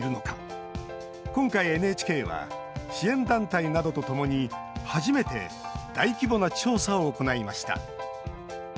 今回、ＮＨＫは支援団体などと共に初めて大規模な調査を行いました。